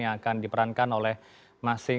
yang akan diperankan oleh masing masing